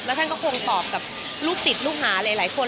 ท่านก็คงตอบกับลูกศิษย์ลูกหาหลายคน